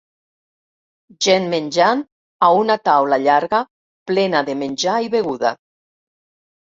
Gent menjant a una taula llarga plena de menjar i beguda.